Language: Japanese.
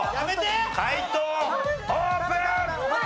解答オープン！